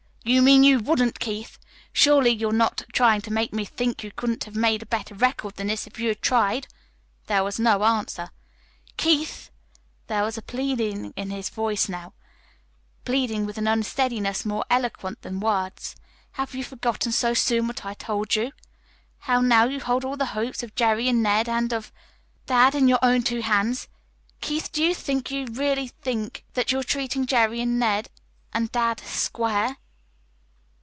You mean you wouldn't, Keith. Surely, you're not trying to make me think you couldn't have made a better record than this, if you'd tried." There was no answer. "Keith!" There was only pleading in the voice now pleading with an unsteadiness more eloquent than words. "Have you forgotten so soon what I told you? how now you hold all the hopes of Jerry and Ned and of dad in your own two hands? Keith, do you think, do you really think you're treating Jerry and Ned and dad square?"